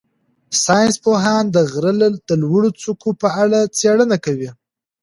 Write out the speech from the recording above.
ساینس پوهان د غره د لوړو څوکو په اړه څېړنه کوي.